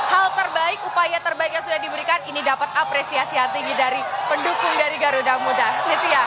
hal terbaik upaya terbaik yang sudah diberikan ini dapat apresiasi yang tinggi dari pendukung dari garuda muda